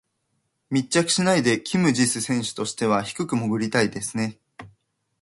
密着しないでキム・ジス選手としては低く潜りたいですね。